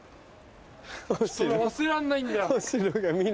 俺忘れられないんだよ。